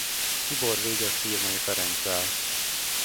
Tibor végez Szirmai Ferenccel.